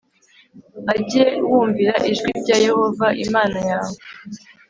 Ujye wumvira ijwi rya Yehova Imana yawe